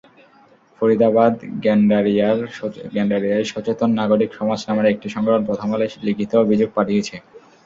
ফরিদাবাদ-গেন্ডারিয়ায় সচেতন নাগরিক সমাজ নামের একটি সংগঠন প্রথম আলোয় লিখিত অভিযোগ পাঠিয়েছে।